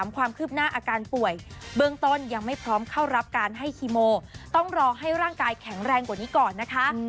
การให้คีโมต้องรอให้ร่างกายแข็งแรงกว่านี้ก่อนนะคะ